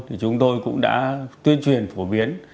thì chúng tôi cũng đã tuyên truyền phổ biến